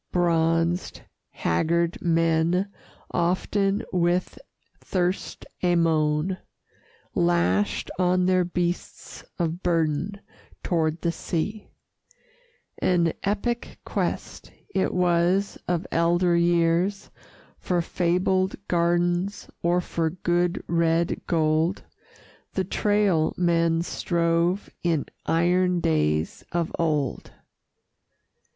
Bronzed, haggard men, often with thirst a moan, Lashed on their beasts of burden toward the sea: An epic quest it was of elder years, For fabled gardens or for good, red gold, The trail men strove in iron days of old.